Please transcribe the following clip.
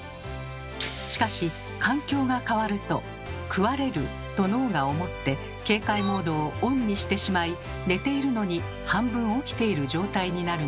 しかし環境が変わると「食われる」と脳が思って警戒モードをオンにしてしまい寝ているのに半分起きている状態になるのです。